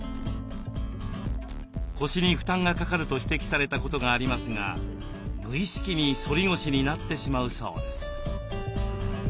腰に負担がかかると指摘されたことがありますが無意識に反り腰になってしまうそうです。